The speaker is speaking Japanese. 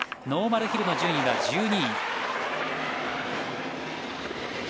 ノーマルヒルの順位が１２位。